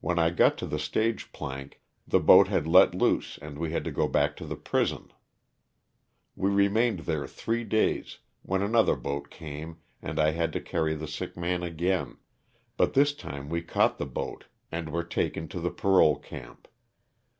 When I got to the stage plank the boat had let loose and we had to go back to the prison. We remained there three days, when another boat came and I bad to carry the sick man again, but this time we caught the boat and were taken to the parole camp.